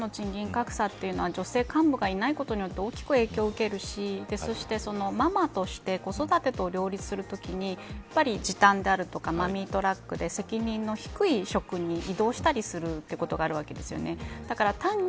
やっぱり男女間の賃金格差というのは女性幹部がいないことで大きく影響を受けるしそしてママとして子育てと両立するときにやっぱり時短んであるとかマミートラックで責任の低い職に移動したりすることがあるわけです。